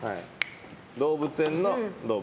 動物園の動物。